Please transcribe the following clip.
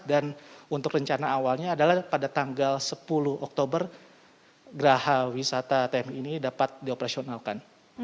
dan untuk rencana awalnya adalah pada tanggal sepuluh oktober geraha wisata tmi ini dapat dioperasionalkan